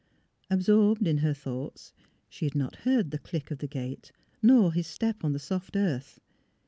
Absorbed in her thoughts, she had not heard the click of the gate nor his step on the soft earth.